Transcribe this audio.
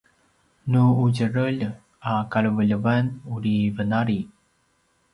nu ’udjerelj a kalevelevan uri venali